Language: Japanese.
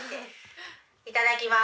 いただきます。